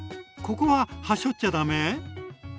ここははしょっちゃ駄目？